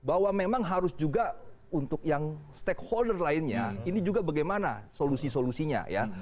bahwa memang harus juga untuk yang stakeholder lainnya ini juga bagaimana solusi solusinya ya